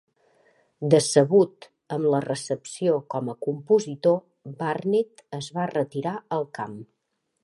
Decebut amb la recepció com a compositor, Barnett es va retirar al camp.